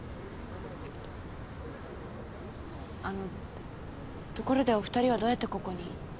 あのところでお２人はどうやってここに？